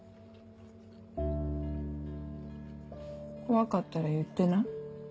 怖かったら言ってな。